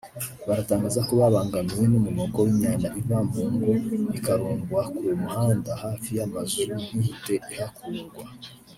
baratangaza ko babangamiwe n’umunuko w’imyanda iva mu ngo ikarundwaku muhanda hafi y’amazu ntihite ihakurwa